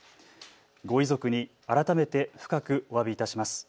ご遺族に改めて深くおわびいたします。